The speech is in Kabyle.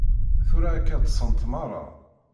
Tura akka ṭṭsent merra.